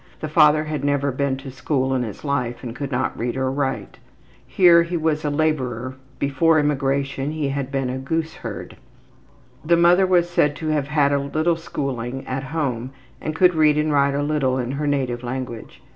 The father had never been to school in his life and could not read or write. Here he was a laborer; before immigration he had been a goose herd. The mother was said to have had a little schooling at home and could read and write a little in her native language.